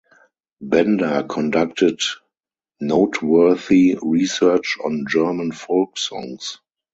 Bender conducted noteworthy research on German folk songs.